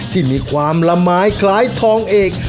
ที่มีความละไม้คล้ายทองเอก